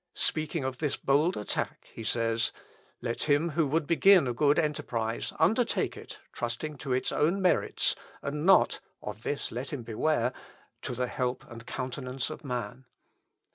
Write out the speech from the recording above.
Speaking of this bold attack, he says, "Let him who would begin a good enterprise undertake it, trusting to its own merits, and not (of this let him beware) to the help and countenance of man.